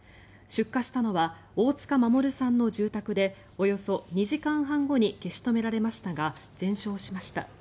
出火したのは大塚守さんの住宅でおよそ２時間半後に消し止められましたが全焼しました。